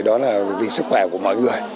đó là vì sức khỏe của mọi người